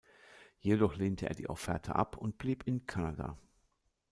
Jedoch lehnte er die Offerte ab und blieb in Kanada.